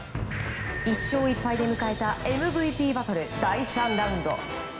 １勝１敗で迎えたＭＶＰバトル第３ラウンド。